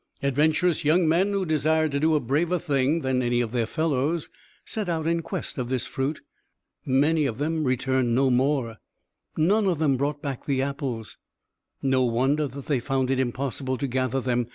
Adventurous young men, who desired to do a braver thing than any of their fellows, set out in quest of this fruit. Many of them returned no more; none of them brought back the apples. No wonder that they found it impossible to gather them!